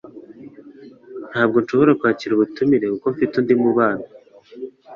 Ntabwo nshobora kwakira ubutumire kuko mfite undi mubano. .